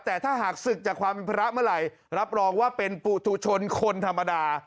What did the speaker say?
แต่ถ้าหากศึกจากความเป็นพระเมื่อไหร่รับรองว่าเป็นปุธุชนคนธรรมดา